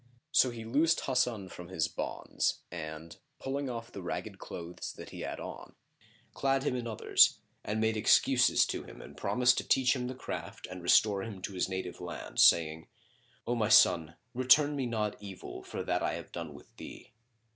So he loosed Hasan from his bonds and pulling off the ragged clothes the youth had on, clad him in others; and made excuses to him and promised to teach him the craft and restore him to his native land, saying, "O my son, return me not evil for that I have done with thee."